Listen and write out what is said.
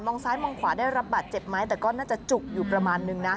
ซ้ายมองขวาได้รับบาดเจ็บไหมแต่ก็น่าจะจุกอยู่ประมาณนึงนะ